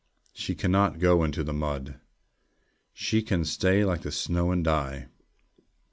She cannot go into the mud! She can stay like the snow, and die!